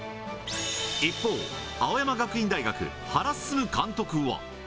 一方、青山学院大学、原晋監督は。